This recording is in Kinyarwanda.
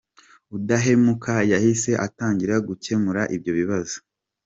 Udahemuka yahise atangira gukemura ibyo bibazo.